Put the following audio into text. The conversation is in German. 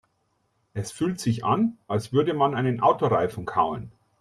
Es fühlt sich an, als würde man einen Autoreifen kauen.